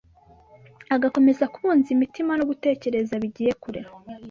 agakomeza kubunza imitima no gutekereza bigiye kure